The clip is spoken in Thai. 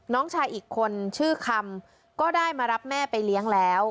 น้องชายอีกคนชื่อคำก็ได้มารับแม่ไปเลี้ยงแล้ว